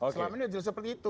selama ini jelas seperti itu